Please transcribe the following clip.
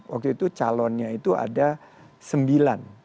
waktu itu calonnya itu ada sembilan